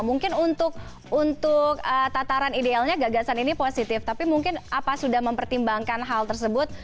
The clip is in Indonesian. mungkin untuk tataran idealnya gagasan ini positif tapi mungkin apa sudah mempertimbangkan hal tersebut